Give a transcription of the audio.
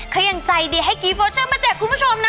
กิโฟเชิงมาเจ็บคุณผู้ชมนะ